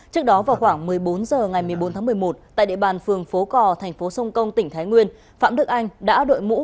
trước đó vào khoảng một mươi bốn h ngày một mươi bốn tháng một mươi một tại địa bàn phường phố cò thành phố sông công tỉnh thái nguyên phạm đức anh đã đội mũ